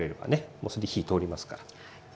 もうそれで火通りますから。